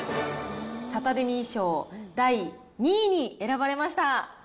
サタデミー賞第２位に選ばれました。